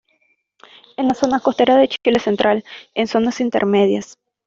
En la zona costera de Chile central, en zonas intermedias.